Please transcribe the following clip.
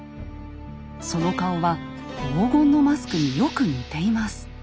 その顔は黄金のマスクによく似ています。